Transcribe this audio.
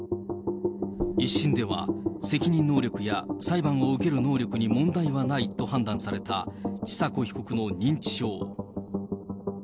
１審では、責任能力や裁判を受ける能力に問題はないと判断された千佐子被告の認知症。